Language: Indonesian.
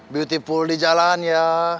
beautiful di jalan ya